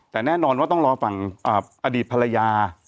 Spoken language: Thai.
แต่แน่นอนว่าต้องรอฝั่งอดีตภรรยา